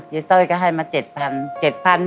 เย้ต้อยก็ให้มาเจ็ดพัน